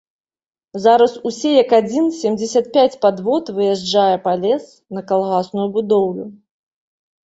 Зараз усе як адзін семдзесят пяць падвод выязджае па лес на калгасную будоўлю.